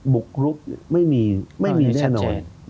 บุกรุกไม่มีแน่นอน